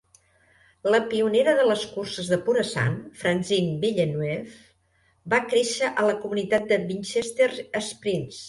La pionera de les curses de pura sang, Francine Villeneuve, va créixer a la comunitat de Winchester Springs.